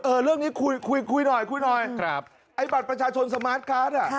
เออเรื่องนี้คุยหน่อยไอ้บัตรประชาชนสมาร์ทการ์ด